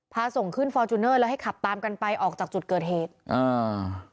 พาส่งขึ้นฟอร์จูเนอร์แล้วให้ขับตามกันไปออกจากจุดเกิดเหตุอ่า